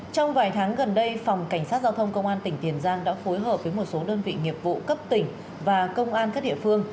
trong vài tháng gần đây phòng cảnh sát giao thông công an tỉnh tiền giang đã phối hợp với một số đơn vị nghiệp vụ cấp tỉnh và công an các địa phương